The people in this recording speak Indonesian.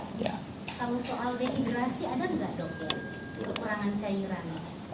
ada nggak dokter kekurangan cairan